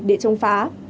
để chống phá